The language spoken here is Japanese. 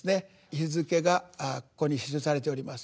日付がここに記されております。